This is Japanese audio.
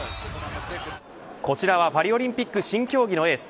こちらはパリオリンピック新競技のエース